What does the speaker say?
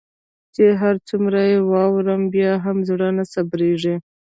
چي هر څومره يي واورم بيا هم زړه نه صبریږي